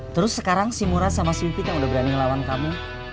terus sekarang si murad sama si pipit yang udah berani ngelawan kamu